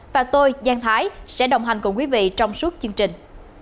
và tôi giang thái sẽ đồng hành cùng quý vị trong suốt chương trình